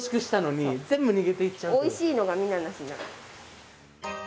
おいしいのがみんななくなる。